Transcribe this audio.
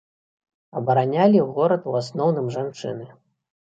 Абаранялі горад у асноўным жанчыны.